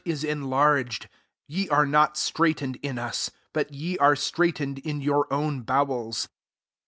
is enlarged. 12 Ye are not straitened in us ; but ye are straitened in your own bowels.